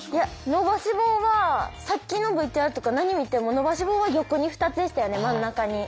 伸ばし棒はさっきのＶＴＲとか何見ても伸ばし棒は横に２つでしたよね真ん中に。